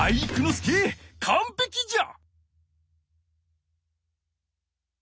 介かんぺきじゃ！